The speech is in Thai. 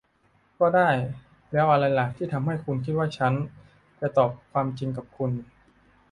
ก็ได้ แล้วอะไรล่ะที่ทำให้คุณคิดว่าฉันจะตอบความจริงกับคุณ